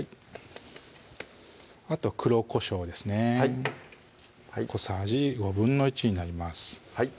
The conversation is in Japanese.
あとは黒こしょうですね小さじ１／５になります